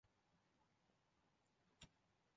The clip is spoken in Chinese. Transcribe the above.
肥胖正面女性主义者提倡接受所有体型的女性。